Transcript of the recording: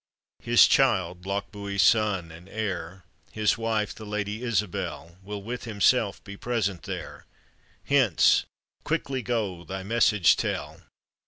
" His child, Lochbuie's son and heir, His wife, the Lady Isabel, Will with himself be present there, Hence ! Quickly go, thy message tell."